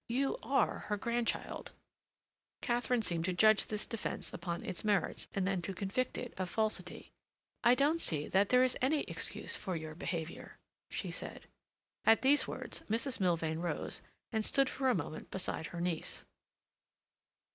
You are her grandchild." Katharine seemed to judge this defence upon its merits, and then to convict it of falsity. "I don't see that there is any excuse for your behavior," she said. At these words Mrs. Milvain rose and stood for a moment beside her niece.